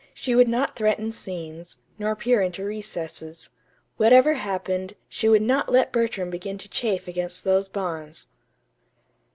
She would not threaten scenes, nor peer into recesses. Whatever happened, she would not let Bertram begin to chafe against those bonds!